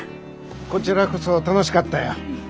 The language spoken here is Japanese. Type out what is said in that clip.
こちらこそ楽しかったよ。